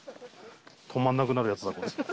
止まらなくなるやつだ。